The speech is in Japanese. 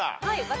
はい。